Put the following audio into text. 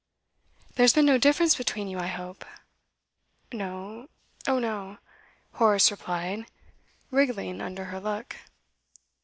'There has been no difference between you, I hope?' 'No oh no,' Horace replied, wriggling under her look.